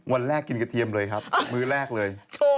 วันแรกกินกระเทียมเลยครับมื้อแรกเลย